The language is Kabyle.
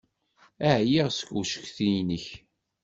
Ɛyiɣ seg ucetki-inek.